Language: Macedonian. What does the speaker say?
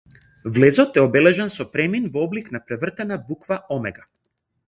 Влезот е обележан со премин во облик на превртена буква омега.